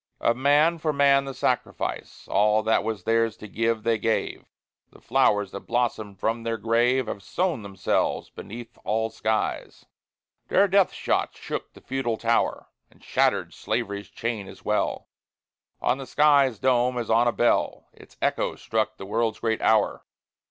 Of man for man the sacrifice, All that was theirs to give, they gave. The flowers that blossomed from their grave Have sown themselves beneath all skies. Their death shot shook the feudal tower, And shattered slavery's chain as well; On the sky's dome, as on a bell, Its echo struck the world's great hour.